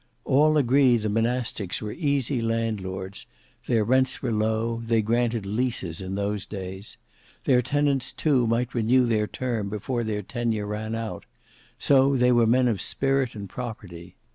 All agree the Monastics were easy landlords; their rents were low; they granted leases in those days. Their tenants too might renew their term before their tenure ran out: so they were men of spirit and property.